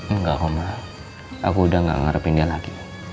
enggak mama aku udah gak mengharapin dia lagi